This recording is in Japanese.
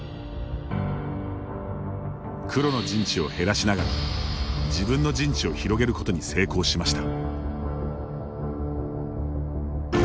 黒の陣地を減らしながら自分の陣地を広げることに成功しました。